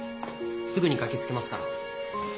すぐに駆けつけますから。